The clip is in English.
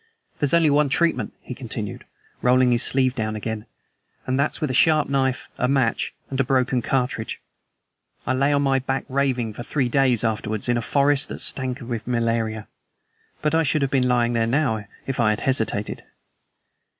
"There's only one treatment," he continued, rolling his sleeve down again, "and that's with a sharp knife, a match, and a broken cartridge. I lay on my back, raving, for three days afterwards, in a forest that stank with malaria, but I should have been lying there now if I had hesitated.